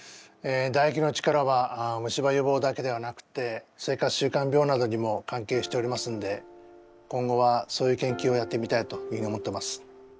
だ液の力は虫歯予防だけではなくて生活習慣病などにも関係しておりますんで今後はそういう研究をやってみたいというふうに思ってます。